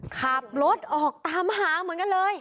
ขับรถออกตามหาเหมือนกันเลย